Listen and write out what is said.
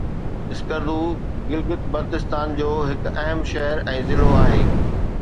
اسڪردو گلگت بلتستان جو هڪ اهم شهر ۽ ضلعو آهي